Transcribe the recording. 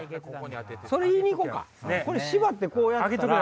それ言いに行こうか縛ってこうやったら。